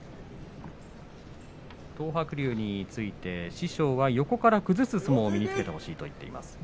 東白龍について師匠は横から崩す相撲を身につけてほしいと話していました。